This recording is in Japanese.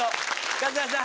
春日さん